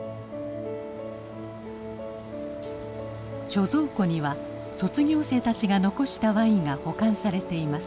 貯蔵庫には卒業生たちが残したワインが保管されています。